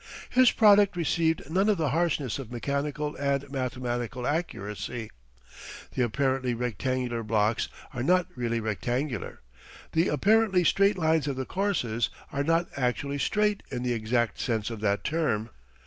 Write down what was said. His product received none of the harshness of mechanical and mathematical accuracy. The apparently rectangular blocks are not really rectangular. The apparently straight lines of the courses are not actually straight in the exact sense of that term.